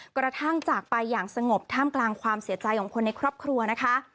กระทั่งจากไปอย่างสงบท่ามกลางความเสียใจของคนในครอบครัวนะคะ